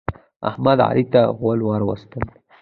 احمد، علي ته غول ور وستل.